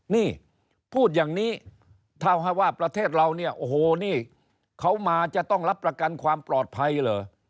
นี่พูดอย่างนี้เท่าให้ว่าประเทศเราเนี่ยโอ้โหนี่เขามาจะต้องรับประกันความปลอดภัยเหรอ